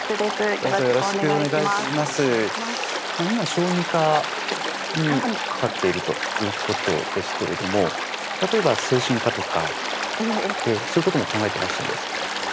今小児科にかかっているということですけれども例えば精神科とかそういうことも考えてらっしゃるんですか？